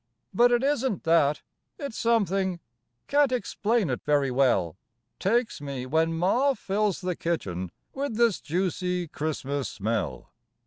But it isn't that, it's something Can't explain it very well Takes me when ma fills the kitchen With this juicy Christmas smell.